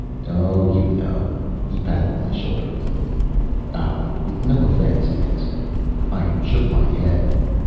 "Oh, you know." He patted my shoulder limply. "Ah, no offense?" he asked. I shook my head.